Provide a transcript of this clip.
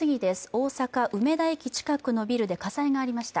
大阪・梅田駅近くのビルで火災がありました。